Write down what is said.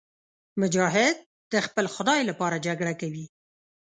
مجاهد د خپل خدای لپاره جګړه کوي.